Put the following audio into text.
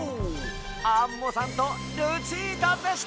アンモさんとルチータでした！